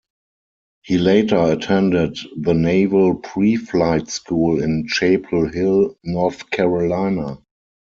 He later attended the naval pre-flight school in Chapel Hill, North Carolina.